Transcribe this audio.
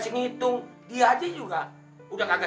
gitu ban jumpscare